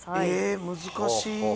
え難しい。